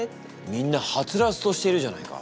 みんなはつらつとしているじゃないか。